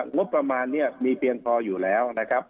งบประมาณนี้มีเพียงพออยู่แล้วนะครับ